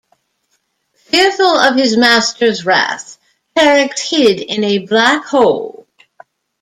Fearful of his master's wrath, Terrax hid in a black hole.